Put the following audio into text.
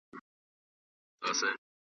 یوه ورځ به داسي راسي چي شرنګیږي ربابونه .